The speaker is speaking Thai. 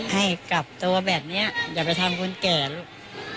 ให้กลับตัวแบบนี้อย่าไปทำคนแก่ลูก